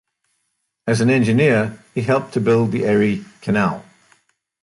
As an engineer, he helped to build the Erie canal.